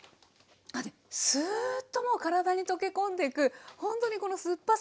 あっスーッともう体に溶け込んでいくほんとにこの酸っぱさが。